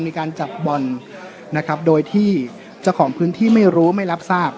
มีการจับบ่อนนะครับโดยที่เจ้าของพื้นที่ไม่รู้ไม่รับทราบ